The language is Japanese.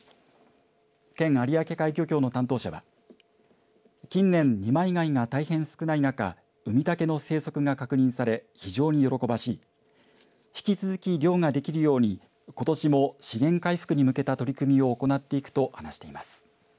県有明海漁協の担当者は近年二枚貝が大変少ない中ウミタケの生息が確認され非常に喜ばしい引き続き漁ができるようにことしも資源回復に向けた取り組みを行っていくと話しています。